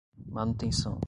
manutenção